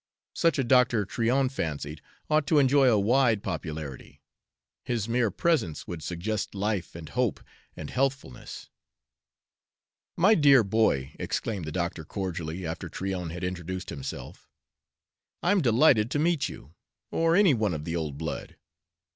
Such a doctor, Tryon fancied, ought to enjoy a wide popularity. His mere presence would suggest life and hope and healthfulness. "My dear boy," exclaimed the doctor cordially, after Tryon had introduced himself, "I'm delighted to meet you or any one of the old blood.